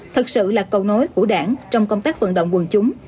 thật sự là cầu nối của đảng trong công tác vận động quân chúng